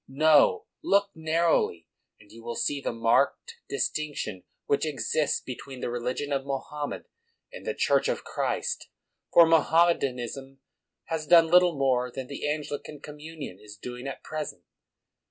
No; look narrowly, and you will see the marked dis tinction which exists between the religion of Mo hammed and the Church of Christ. For Moham medanism has done little more than the Angli can communion is doing at present.